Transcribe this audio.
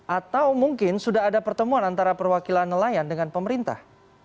atau mungkin sudah ada pertemuan antara perwakilan nelayan dengan pemerintah